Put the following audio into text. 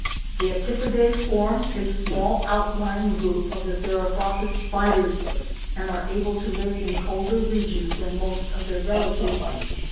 The Atypidae form a small outlying group of the Theraphosid spiders and are able to live in colder regions than most of their relatives.